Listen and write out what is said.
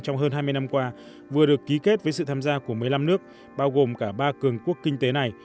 trong hơn hai mươi năm qua vừa được ký kết với sự tham gia của một mươi năm nước bao gồm cả ba cường quốc kinh tế này